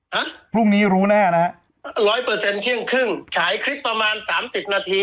ฮะพรุ่งนี้รู้แน่นะฮะร้อยเปอร์เซ็นเที่ยงครึ่งฉายคลิปประมาณสามสิบนาที